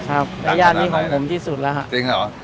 ครับยานนี้ของผมที่สุดแล้วฮะดังกันนะไหมเนี่ย